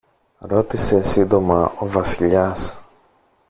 ρώτησε σύντομα ο Βασιλιάς.